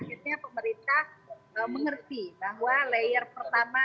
akhirnya pemerintah mengerti bahwa layer pertama